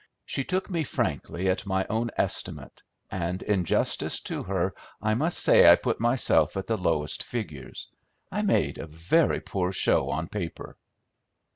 She took me frankly at my own estimate; and in justice to her I must say I put myself at the lowest figures. I made a very poor show on paper."